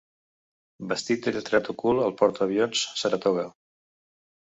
Vestit de lletrat ocult al porta-avions Saratoga.